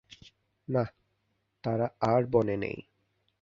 না, তারা আর বনে নেই!